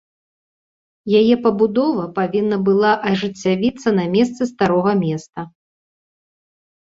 Яе пабудова павінна была ажыццявіцца на месцы старога места.